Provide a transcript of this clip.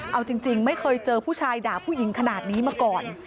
เอาจริงไม่เคยเจอผู้ชายด่าผู้หญิงขนาดนี้มาก่อน